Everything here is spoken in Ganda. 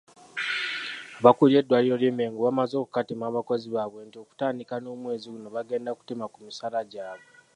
Abakulira eddwaliro ly'e Mmengo bamaze okukatema abakozi baabwe nti okutandika n'omwezi guno bagenda kutema ku misaala gyabwe.